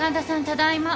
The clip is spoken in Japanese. ただいま。